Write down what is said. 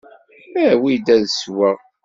Awi-d ad sweɣ!